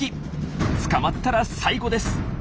捕まったら最後です。